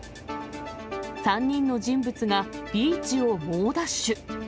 ３人の人物がビーチを猛ダッシュ。